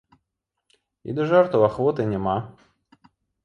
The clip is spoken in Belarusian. І да жартаў ахвоты няма.